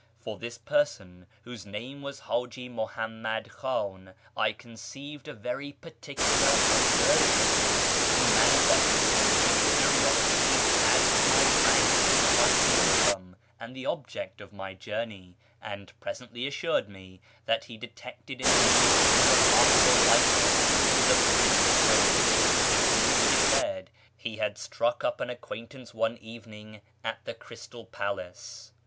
For this person, whose name was Haji Muhammad Khan, I conceived a very particular aversion. He manifested a great curiosity as to my rank, my income, and the object of my journey, and presently assured me that he detected in me a remarkable likeness to the Prince of Wales, with whom, he declared, he had struck up an acquaintance one evening at the Crystal Palace.